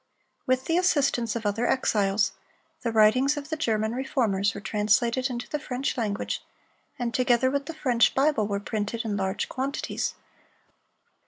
With the assistance of other exiles, the writings of the German Reformers were translated into the French language, and together with the French Bible, were printed in large quantities.